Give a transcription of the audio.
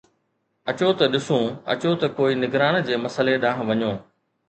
اچو ته ڏسون، اچو ته ڪوئي نگران جي مسئلي ڏانهن وڃو